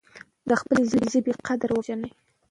د خپلې ژبې قدر وپیژنئ.